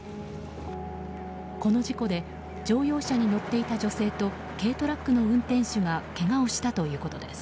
この事故で乗用車に乗っていた女性と軽トラックの運転手がけがをしたということです。